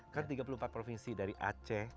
kan tiga puluh empat provinsi dari aceh